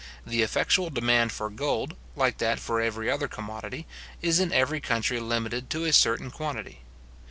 The effectual demand for gold, like that for every other commodity, is in every country limited to a certain quantity.